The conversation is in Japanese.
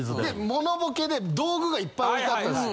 モノボケで道具がいっぱい置いてあったんです。